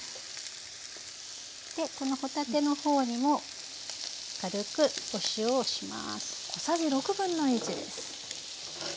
この帆立ての方にも軽くお塩をします。